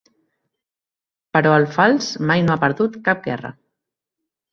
Però el fals mai no ha perdut cap guerra.